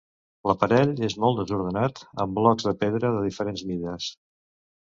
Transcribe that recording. L'aparell és molt desordenat, amb blocs de pedra de diferents mides.